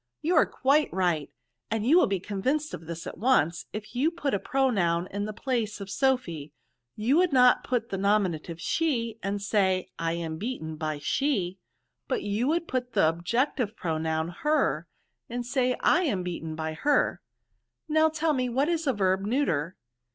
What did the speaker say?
" You are quite right ; and you will be convinced of this at once, if you put a pro noun in the place of Sophy ; you would not put the nominative sliCy and say, I am beaten by she,' but you would put the objective pro noun her, and say I am beaten by her'' VERBS. 271 '*' Now, tell me, what is a verb neuter?'